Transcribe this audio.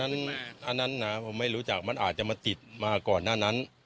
อันนั้นนะผมไม่รู้จักมันอาจจะมาติดมาก่อนหน้านั้น